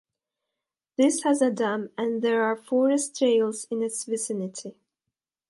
This has a dam and there are forest trails in its vicinity.